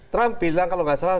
trump bilang kalau nggak salah